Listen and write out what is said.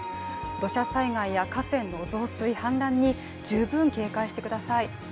土砂災害や河川の増水・氾濫に十分警戒してください。